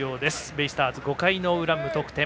ベイスターズ、５回の裏無得点。